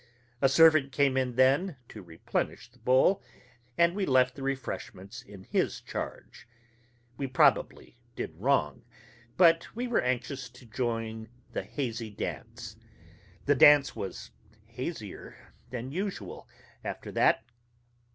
A servant came in then, to replenish the bowl, and we left the refreshments in his charge. We probably did wrong, but we were anxious to join the hazy dance. The dance was hazier than usual, after that.